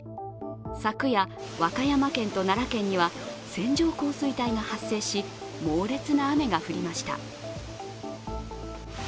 昨夜、和歌山県と奈良県には線状降水帯が発生し、猛烈な雨が降りました。